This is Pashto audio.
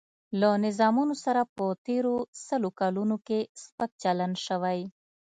له نظامونو سره په تېرو سلو کلونو کې سپک چلن شوی.